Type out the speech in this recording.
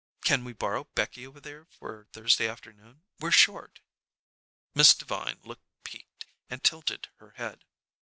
"Can we borrow Becky over there for Thursday afternoon? We're short." Miss Devine looked piqued and tilted her head.